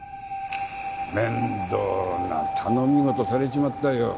面倒な頼み事されちまったよ。